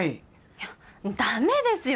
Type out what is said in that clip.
いやダメですよ！